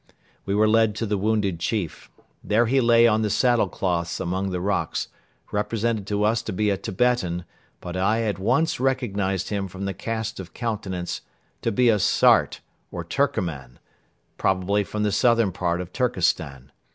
We were led to the wounded chief. There he lay on the saddle cloths among the rocks, represented to us to be a Tibetan but I at once recognized him from his cast of countenance to be a Sart or Turcoman, probably from the southern part of Turkestan.